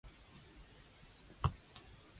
一係公一係字，永遠唔會中間